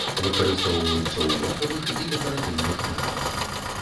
Выкарыстоўваюцца ў лекавых і дэкаратыўных мэтах.